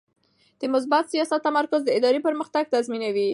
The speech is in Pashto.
د مثبت سیاست تمرکز د ادارې پرمختګ تضمینوي.